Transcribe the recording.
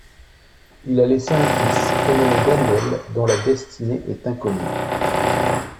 Il a laissé un fils, prénommé Daniel, dont la destinée est inconnue.